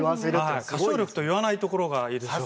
歌唱力と言わないところがいいでしょ。